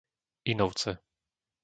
Inovce